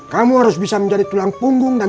kamu harus bisa menjadi tulang punggung dan